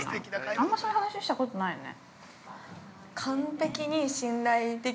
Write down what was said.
あんま、そういう話したことないよね。